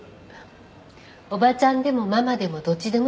おばちゃんでもママでもどっちでもいいのよ。